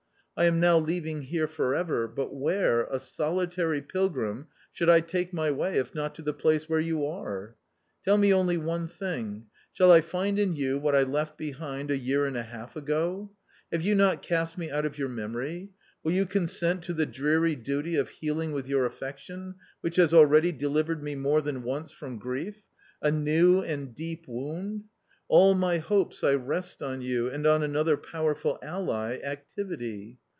I am now leaving here for ever. But where, a solitary pilgrim, should I take my way if not to the place where you are ?.... Tell me only one thing : shall I find in you what I left behind a year and a half ago ? Have you not cast me out of your memory ? Will you con sent to the dreary duty of healing with your affection — which has already delivered me more than once from grief — a new and deep wound ? All my hopes I rest on you and on another powerful ally — activity.